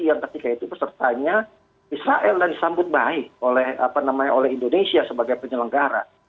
yang ketika itu pesertanya israel dan disambut baik oleh indonesia sebagai penyelenggara